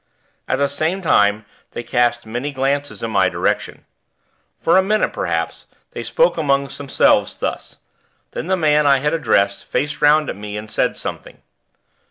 At the same time they cast many glances in my direction. For a minute, perhaps, they spoke among themselves thus; then the man I had addressed faced 'round at me and said something.